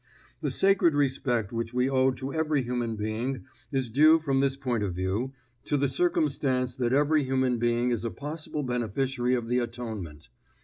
The sacred respect which we owe to every human being is due from this point of view to the circumstance that every human being is a possible beneficiary of the Atonement.